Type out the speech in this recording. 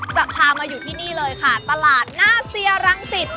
จะพามาอยู่ที่นี่เลยค่ะตลาดหน้าเซียรังสิต